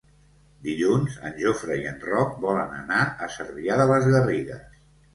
Dilluns en Jofre i en Roc volen anar a Cervià de les Garrigues.